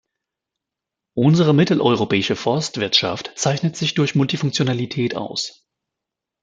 Unsere mitteleuropäische Forstwirtschaft zeichnet sich durch Multifunktionalität aus.